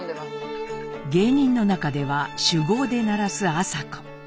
芸人の中では酒豪でならす麻子。